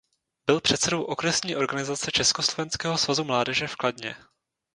Byl předsedou Okresní organizace Československého svazu mládeže v Kladně.